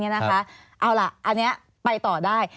อันนี้ไปต่อได้